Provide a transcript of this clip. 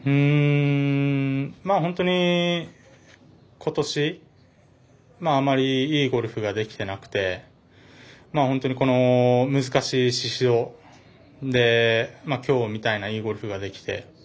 本当にことしあまりいいゴルフができてなくて本当に、この難しい宍戸できょうみたいないいゴルフができて。